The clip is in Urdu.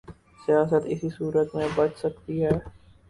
سیاست اسی صورت میں بچ سکتی ہے۔